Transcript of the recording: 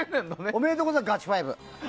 おめでとうございますガチファイブ。